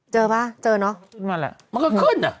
เจอป่ะเจอน่ะขึ้นมาแหละ